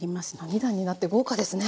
２段になって豪華ですね！